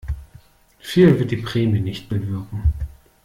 Viel wird die Prämie nicht bewirken.